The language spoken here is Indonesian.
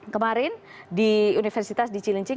kemarin di universitas di cilincing